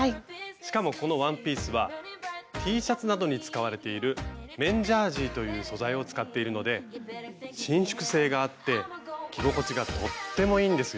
しかもこのワンピースはＴシャツなどに使われている「綿ジャージー」という素材を使っているので伸縮性があって着心地がとってもいいんですよ。